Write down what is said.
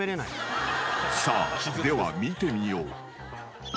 ［さあでは見てみよう］